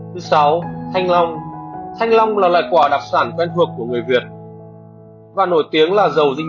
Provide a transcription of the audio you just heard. thứ sáu thanh long thanh long là loại quả đặc sản quen thuộc của người việt và nổi tiếng là dầu dinh